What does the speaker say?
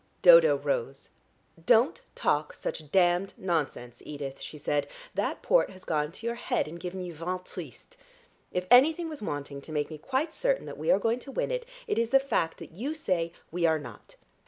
Dodo rose. "Don't talk such damned nonsense, Edith," she said. "That port has gone to your head and given you vin triste. If anything was wanting to make me quite certain that we are going to win it, it is the fact that you say we are not.